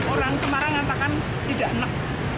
orang semarang katakan tidak enak